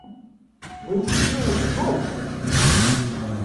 Мы ўсе ў шоку.